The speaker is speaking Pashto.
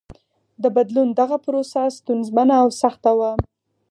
د بدلون دغه پروسه ستونزمنه او سخته وه.